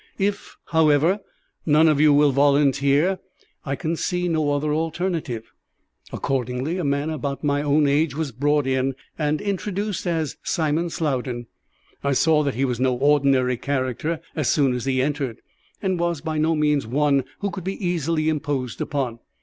If, however, none of you will volunteer, I can see no other alternative." Accordingly, a man about my own age was brought in, and introduced as Simon Slowden. I saw that he was no ordinary character as soon as he entered, and was by no means one who could be easily imposed upon.